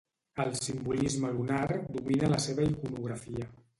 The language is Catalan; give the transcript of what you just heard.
El simbolisme lunar domina la seva iconografia.